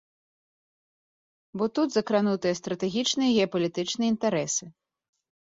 Бо тут закранутыя стратэгічныя геапалітычныя інтарэсы.